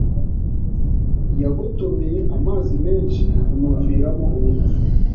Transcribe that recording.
yagotomeye amazi menshi bimuviramo urupfu